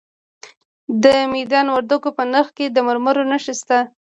د میدان وردګو په نرخ کې د مرمرو نښې شته.